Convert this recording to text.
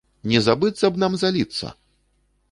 Не забыцца б нам заліцца!